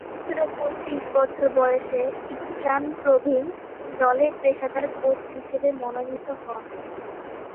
মাত্র পঁচিশ বছর বয়সে ইস্টার্ন প্রভিন্স দলে পেশাদার কোচ হিসেবে মনোনীত হন।